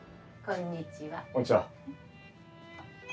こんにちは。